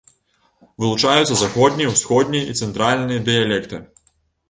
Вылучаюцца заходні, усходні і цэнтральны дыялекты.